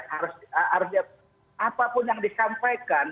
harus apapun yang disampaikan